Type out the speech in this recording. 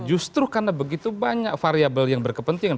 justru karena begitu banyak variable yang berkepentingan